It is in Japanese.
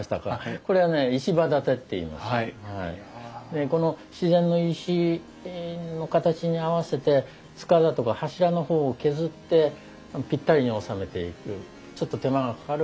でこの自然の石の形に合わせて束だとか柱の方を削ってぴったりに収めていくちょっと手間がかかる昔の方法ですね。